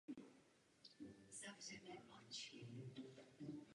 Vychodil německojazyčné gymnázium v Kroměříži a vystudoval práva na Vídeňské univerzitě.